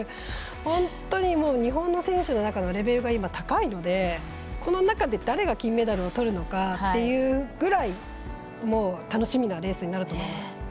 本当に、日本の選手の中のレベルが高いのでこの中で、誰が金メダルをとるのかというぐらいもう楽しみなレースになると思います。